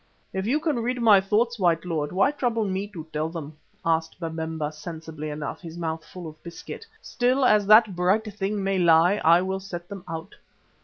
"If you can read my thoughts, white lord, why trouble me to tell them?" asked Babemba sensibly enough, his mouth full of biscuit. "Still, as that bright thing may lie, I will set them out.